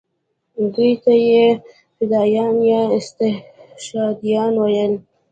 دوی ته یې فدایان یا استشهادیان ویل.